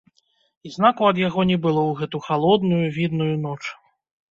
І знаку ад яго не было ў гэту халодную, відную ноч.